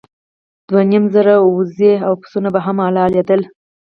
دوه نیم زره اوزې او پسونه به هم حلالېدل.